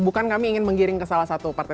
bukan kami ingin menggiring ke salah satu partai